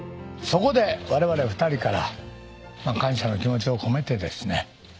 そこでわれわれ２人から感謝の気持ちを込めてですね